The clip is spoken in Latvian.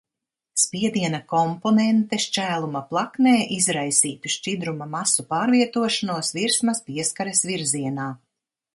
Spiediena komponente šķēluma plaknē izraisītu šķidruma masu pārvietošanos virsmas pieskares virzienā.